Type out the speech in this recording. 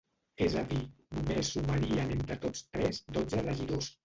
És a dir, només sumarien entre tots tres dotze regidors.